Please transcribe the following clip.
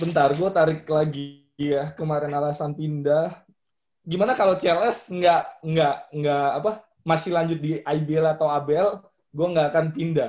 bentar gue tarik lagi ya kemarin alasan pindah gimana kalau cls nggak masih lanjut di ibl atau abel gue gak akan pindah